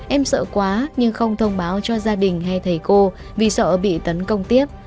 em sợ quá nhưng không thông báo cho gia đình hay thầy cô vì sợ bị tấn công tiếp